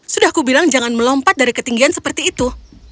sudah aku bilang jangan melompat dari ketinggian seperti itu